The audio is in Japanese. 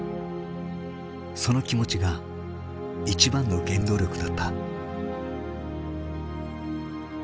その気持ちが一番の原動力だった。